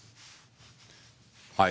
はい？